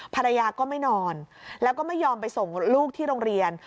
ภรรยาก็ไม่นอนแล้วก็ไม่ยอมไปส่งลูกที่โรงเรียน